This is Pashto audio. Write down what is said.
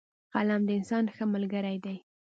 قلم د انسان ښه ملګری دی